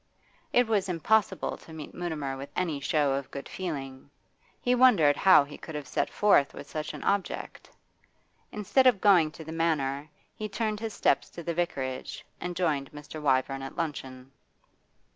It was impossible to meet Mutimer with any show of good feeling; he wondered how he could have set forth with such an object. Instead of going to the Manor he turned his steps to the Vicarage, and joined Mr. Wyvern at luncheon.